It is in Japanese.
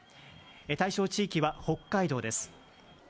対象地域は北海道です。